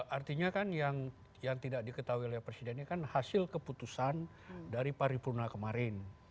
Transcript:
artinya kan yang tidak diketahui oleh presiden ini kan hasil keputusan dari paripurna kemarin